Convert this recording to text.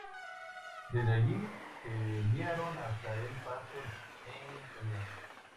Desde allí se enviaron hasta El Paso en camión.